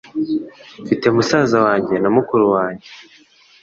Mfite musaza wanjye na mukuru wanjye.